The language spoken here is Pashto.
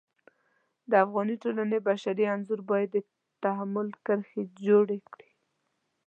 د افغاني ټولنې بشري انځور باید د تحمل کرښې جوړې کړي.